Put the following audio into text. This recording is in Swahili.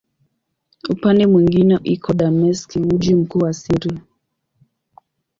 Upande mwingine iko Dameski, mji mkuu wa Syria.